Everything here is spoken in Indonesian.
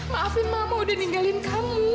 maafin mama sudah meninggalkan kamu